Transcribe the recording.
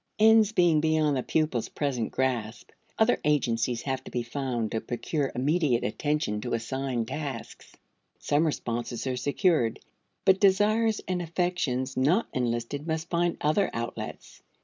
Ends being beyond the pupil's present grasp, other agencies have to be found to procure immediate attention to assigned tasks. Some responses are secured, but desires and affections not enlisted must find other outlets.